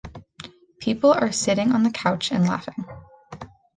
People are sitting on the couch and laughing.